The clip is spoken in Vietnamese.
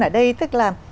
ở đây tức là